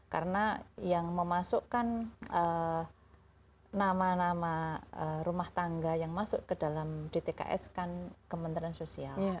karena yang memasukkan nama nama rumah tangga yang masuk ke dalam dtks kan kementerian sosial